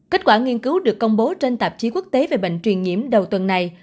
kết quả nghiên cứu được công bố trên tạp chí quốc tế về bệnh truyền nhiễm đầu tuần này